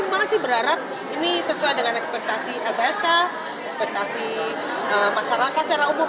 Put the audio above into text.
masih berharap ini sesuai dengan ekspektasi lpsk ekspektasi masyarakat secara umum